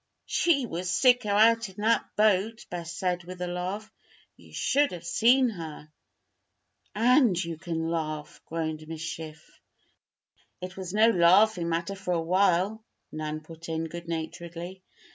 "She was sicker out in that boat," Bess said, with a laugh. "You should have seen her." "And you can laugh?" groaned Miss Schiff. "It was no laughing matter for a while," Nan put in, good naturedly.